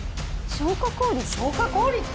消火効率？